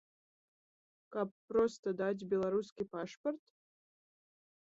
Каб проста даць беларускі пашпарт?